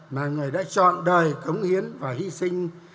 mà người đã chọn đời cống hiến và hy sinh